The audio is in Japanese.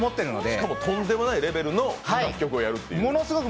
しかもとんでもないレベルの楽曲をやるという。